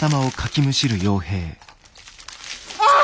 ああ！